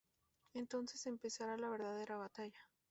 Entonces empezará la verdadera batalla.